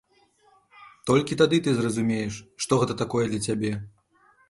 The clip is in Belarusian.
Толькі тады ты зразумееш, што гэта такое для цябе.